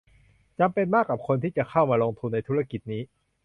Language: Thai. จำเป็นมากกับคนที่จะเข้ามาลงทุนในธุรกิจนี้